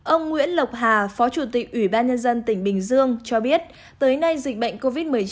ông nguyễn lộc hà phó chủ tịch ủy ban nhân dân tỉnh bình dương cho biết tới nay dịch bệnh covid một mươi chín